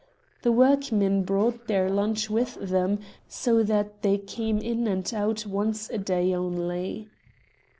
The workmen brought their lunch with them, so that they came in and out once a day only."